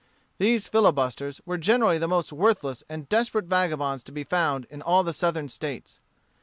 These filibusters were generally the most worthless and desperate vagabonds to be found in all the Southern States.